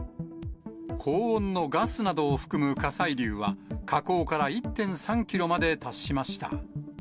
高温のガスなどを含む火砕流は、火口から１．３キロまで達しました。